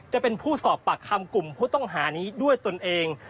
จะเป็นผู้สอบปากคำกลุ่มผู้ต้องหานี้ด้วยตนเอง